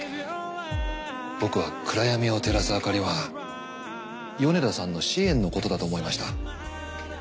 僕は暗闇を照らす明かりは米田さんの支援のことだと思いました。